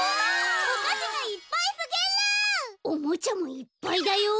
おもちゃもいっぱいだよ！